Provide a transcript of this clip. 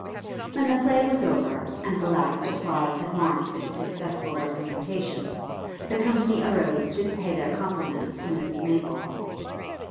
When the play was over, and the loudest applause had marked its successful representation, the company arose to pay their compliments to Mrs Maple.